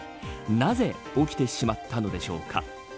なぜ起きてしまったのでしょうか。